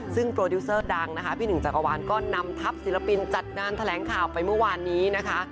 ซึ่งโปรดิวเซอร์ดังนะคะพี่หนึ่งจักรวาลก็นำทัพศิลปินจัดงานแถลงข่าวไปเมื่อวานนี้นะคะ